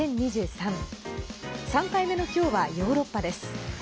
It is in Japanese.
３回目の今日はヨーロッパです。